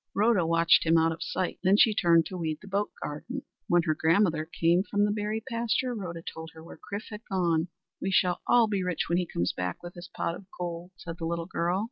Rhoda watched him out of sight. Then she turned to weed the boat garden. When her grandmother came from the berry pasture, Rhoda told her where Chrif had gone. "We shall all be rich when he comes back with his pot of gold," said the little girl.